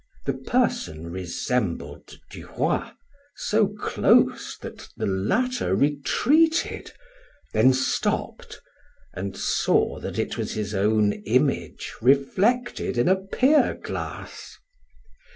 The person resembled Duroy so close that the latter retreated, then stopped, and saw that it was his own image reflected in a pier glass!